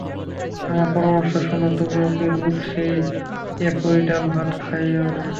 আমার পরামর্শ শোনো, তুমি ওকে রোজ সেই একই ডালভাত খাইয়ো না।